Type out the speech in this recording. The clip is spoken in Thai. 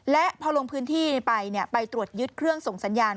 และพอลงพื้นที่ไปไปตรวจยึดเครื่องส่งสัญญาณ